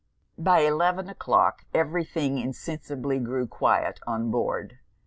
By eleven o'clock, every thing insensibly grew quiet on board.